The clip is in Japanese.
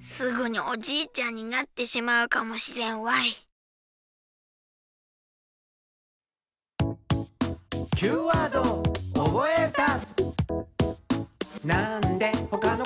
すぐにおじいちゃんになってしまうかもしれんわいさあ